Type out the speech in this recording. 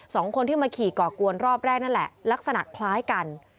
สองคนที่มาขี่ก่อกวนรอบแรกนั่นแหละลักษณะคล้ายกัน